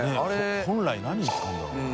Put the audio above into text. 本来何に使うんだろうな？